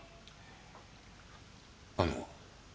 あの。